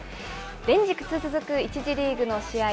連日続く１次リーグの試合。